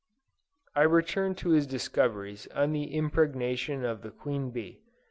I return to his discoveries on the impregnation of the Queen Bee.